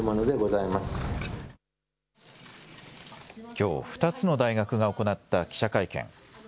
きょう、２つの大学が行った記者会見。